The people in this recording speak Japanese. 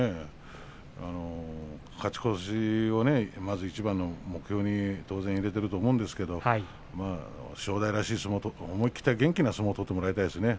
勝ち越しをいちばんの目標に当然、入れていると思うんですが正代らしい相撲な思い切った元気な相撲を取ってもらいたいですね。